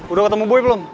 udah ketemu boy belum